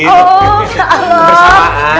oh ya allah